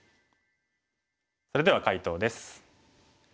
それでは解答です。